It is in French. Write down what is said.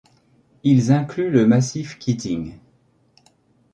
Ils incluent le massif Keating.